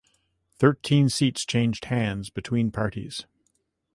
Thirteen seats changed hands between parties.